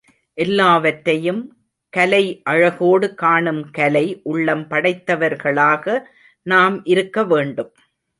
எல்லாவற்றையும் கலை அழகோடு காணும் கலை உள்ளம் படைத்தவர்களாக நாம் இருக்க வேண்டும்.